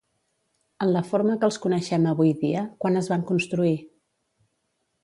En la forma que els coneixem avui dia, quan es van construir?